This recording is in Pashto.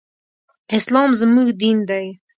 اسلام زموږ دين دی.